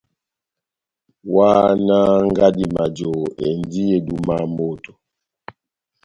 Ohahánaha ngadi majohó, endi edúmaha moto !